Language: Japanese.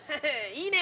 いいね！